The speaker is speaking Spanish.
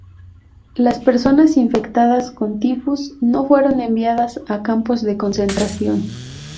Las personas infectadas con tifus no fueron enviadas a campos de concentración.